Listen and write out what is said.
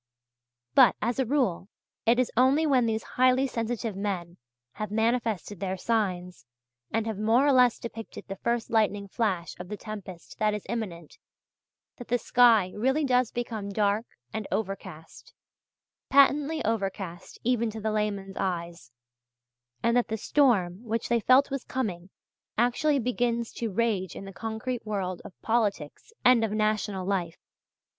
But, as a rule, it is only when these highly sensitive men have manifested their signs, and have more or less depicted the first lightning flash of the tempest that is imminent, that the sky really does become dark and overcast patently overcast even to the layman's eyes and that the storm which they felt was coming actually begins to rage in the concrete world of politics and of national life.